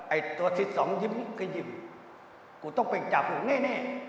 ไอ้ตัวที่สองยิ้มกระยิ่งกูต้องเป็นจ่าฝุมแน่